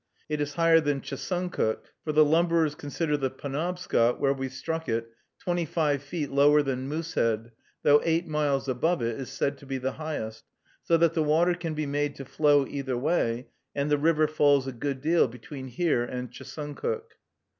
It is higher than Chesuncook, for the lumberers consider the Penobscot, where we struck it, twenty five feet lower than Moosehead, though eight miles above it is said to be the highest, so that the water can be made to flow either way, and the river falls a good deal between here and Chesuncook.